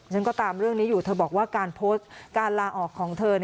ฉันก็ตามเรื่องนี้อยู่เธอบอกว่าการโพสต์การลาออกของเธอ